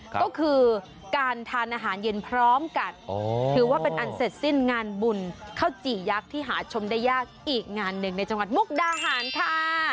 ก็คือการทานอาหารเย็นพร้อมกันถือว่าเป็นอันเสร็จสิ้นงานบุญข้าวจี่ยักษ์ที่หาชมได้ยากอีกงานหนึ่งในจังหวัดมุกดาหารค่ะ